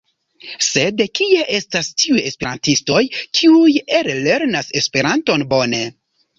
Sed kie estas tiuj esperantistoj kiuj ellernas Esperanton bone?